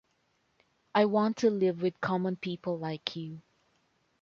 I want to live with common people like you.